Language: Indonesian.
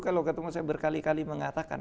kalau ketemu saya berkali kali mengatakan